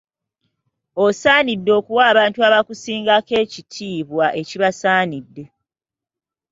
Osaanidde okuwa abantu abakusingako ekitiibwa ekibasaanidde.